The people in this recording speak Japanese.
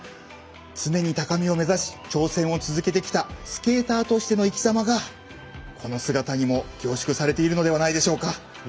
常に高みを目指し挑戦を続けてきたスケーターとしての生きざまがこの姿にも凝縮されているのではないでしょうか。